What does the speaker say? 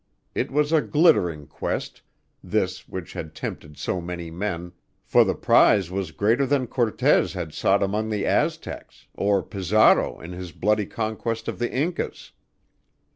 It was a glittering quest this which had tempted so many men, for the prize was greater than Cortez had sought among the Aztecs, or Pizarro in his bloody conquest of the Incas.